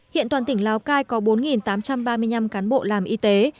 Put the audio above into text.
hiện toàn tỉnh lào cai có bốn tám trăm ba mươi năm cán bộ làm y tế